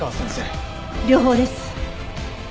両方です。